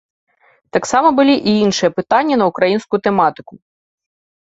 Таксама былі і іншыя пытанні на ўкраінскую тэматыку.